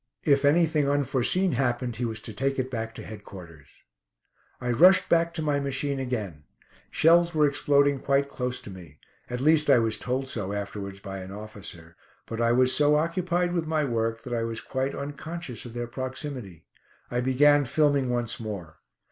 If anything unforeseen happened he was to take it back to Headquarters. I rushed back to my machine again. Shells were exploding quite close to me. At least I was told so afterwards by an officer. But I was so occupied with my work that I was quite unconscious of their proximity. I began filming once more.